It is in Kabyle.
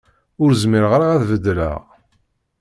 Ur zmireɣ ara ad beddleɣ.